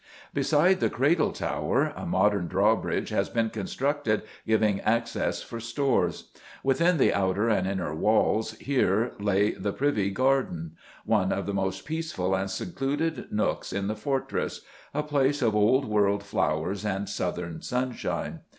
Beside the Cradle Tower a modern drawbridge has been constructed giving access for stores. Within the outer and inner walls here, lay the Privy Garden, one of the most peaceful and secluded nooks in the fortress a place of old world flowers and southern sunshine.